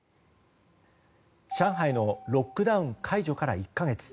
上海のロックダウン解除から１か月。